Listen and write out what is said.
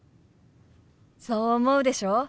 そう思うでしょ？